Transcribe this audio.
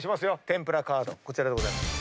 天ぷらカードこちらでございます。